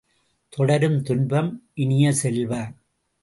தொடரும் துன்பம் இனிய செல்வ!